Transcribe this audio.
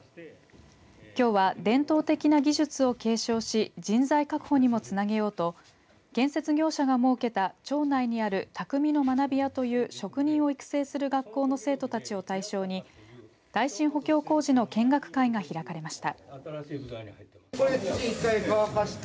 きょうは、伝統的な技術を継承し人材確保にもつなげようと建設業者が設けた町内にある匠の学舎という職人を育成する学校の生徒たちを対象に耐震補強工事の見学会が開かれました。